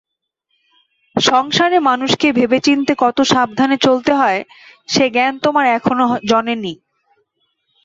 সংসারে মানুষকে ভেবেচিন্তে কত সাবধানে চলতে হয় সে জ্ঞান তোমার এখনো জনেনি।